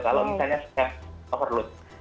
kalau misalnya sudah overload